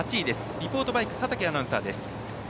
リポートバイクは佐竹アナウンサーです。